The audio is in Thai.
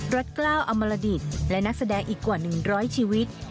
รัดกล้าวอมรดิตและนักแสดงอีกกว่าหนึ่งร้อยชีวิต